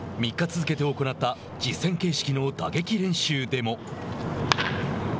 ３日続けて行った実戦形式の打撃練習でも。